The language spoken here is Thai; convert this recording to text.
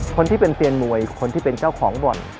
คนที่เป็นเซียนมวยคนที่เป็นเจ้าของบ่อน